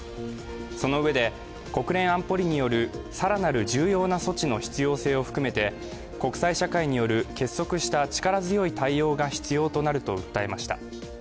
そのうえで国連安保理による更なる重要な措置の必要性を含めて国際社会による結束した力強い対応が必要となると訴えました。